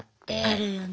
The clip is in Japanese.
あるよね。